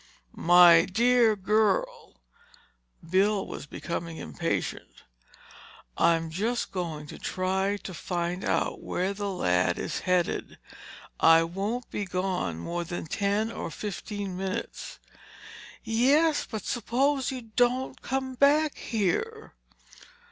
"My dear girl," Bill was becoming impatient. "I'm just going to try to find out where that lad is headed. I won't be gone more than ten or fifteen minutes." "Yes. But suppose you don't come back here!"